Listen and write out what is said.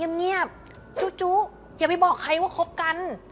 เงียบจุอย่าไปบอกใครว่าคบกัน